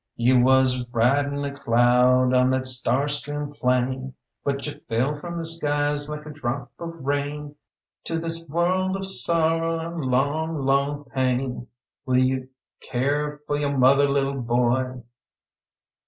Y'u was riding a cloud on that star strewn plain, But y'u fell from the skies like a drop of rain, To this wo'ld of sorrow and long, long pain Will y'u care fo' yo' motheh, lillie boy?"